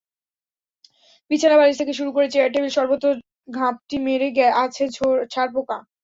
বিছানা, বালিশ থেকে শুরু করে চেয়ার-টেবিল সর্বত্র ঘাপটি মেরে আছে ছারপোকা।